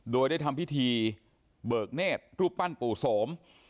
โดยได้ทำพิธีเบิกเนธรูปปั้นปู่โสม